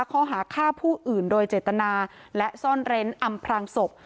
ข้อหาฆ่าผู้อื่นโดยเจตนาและซ่อนเร้นอำพรางศพ